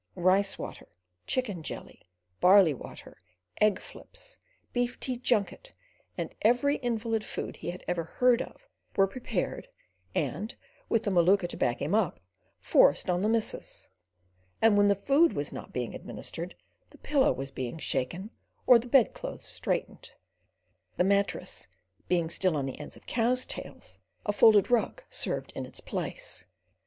Rice water, chicken jelly, barley water, egg flips, beef tea junket, and every invalid food he had ever heard of, were prepared, and, with the Maluka to back him up, forced on the missus; and when food was not being administered, the pillow was being shaken or the bedclothes straightened. (The mattress being still on the ends of cows' tails, a folded rug served in its place).